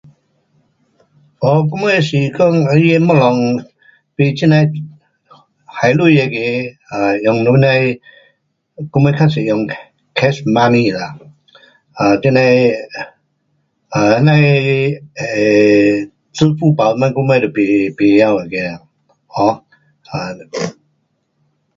um 我们是讲 um 它的东西，买这样的花钱那个用那样的，我们较多用 cash money 啦，um 这样的 um 这样的 um 支付宝我们都甭晓。um